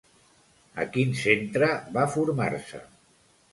A quin centre va formar-se?